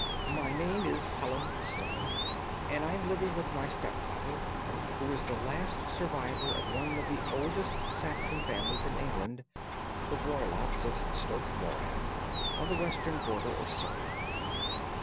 "My name is Helen Stoner, and I am living with my stepfather, who is the last survivor of one of the oldest Saxon families in England, the Roylotts of Stoke Moran, on the western border of Surrey."